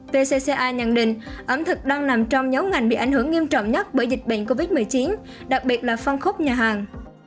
vcca nhận định ẩm thực đang nằm trong nhóm ngành bị ảnh hưởng nghiêm trọng nhất bởi dịch bệnh covid một mươi chín đặc biệt là phân khúc nhà hàng